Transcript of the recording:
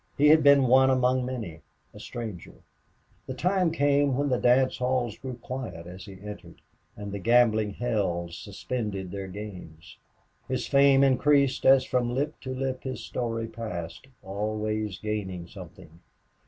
He had been one among many a stranger. In time when the dance halls grew quiet as he entered and the gambling hells suspended their games. His fame increased as from lip to lip his story passed, always gaining something.